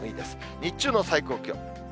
日中の最高気温。